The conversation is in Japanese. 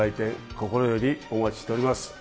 心よりお待ちしております。